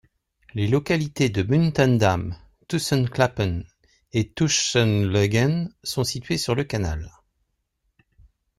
Les localités de Muntendam, Tussenklappen et Tusschenloegen sont situées sur le canal.